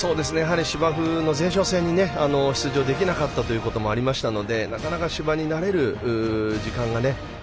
芝生の前哨戦に出場できなかったこともありましたのでなかなか芝に慣れる時間がね。